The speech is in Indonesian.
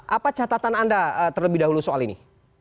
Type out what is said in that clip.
apa catatan anda terlebih dahulu soal ini